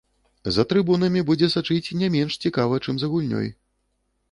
За трыбунамі будзе сачыць не менш цікава, чым за гульнёй.